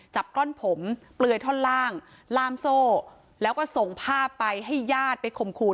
กล้อนผมเปลือยท่อนล่างล่ามโซ่แล้วก็ส่งภาพไปให้ญาติไปข่มขู่